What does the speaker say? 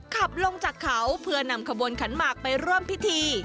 ขับลงจากเขาเพื่อนำขบวนขันหมากไปร่วมพิธี